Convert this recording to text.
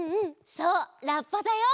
そうラッパだよ！